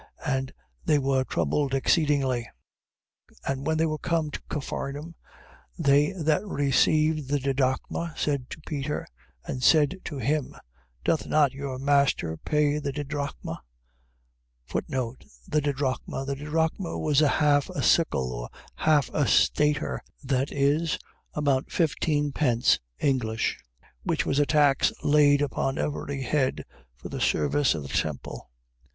And they were troubled exceedingly. 17:23. And when they were come to Capharnaum, they that received the didrachmas, came to Peter, and said to him: Doth not your master pay the didrachma? The didrachmas. . .A didrachma was half a sicle, or half a stater; that is, about 15d. English: which was a tax laid upon every head for the service of the temple. 17:24.